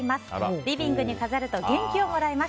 リビングに飾ると元気をもらえます。